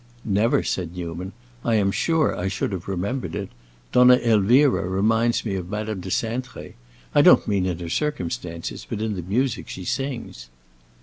"Never," said Newman. "I am sure I should have remembered it. Donna Elvira reminds me of Madame de Cintré; I don't mean in her circumstances, but in the music she sings."